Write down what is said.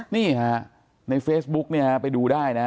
นี่ฮะในเฟซบุ๊กเนี่ยไปดูได้นะ